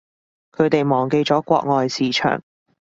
佢哋忘記咗國外市場